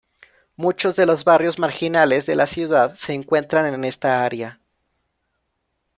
Muchos de los barrios marginales de la ciudad se encuentran en esta área.